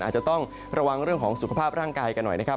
อาจจะต้องระวังเรื่องของสุขภาพร่างกายกันหน่อยนะครับ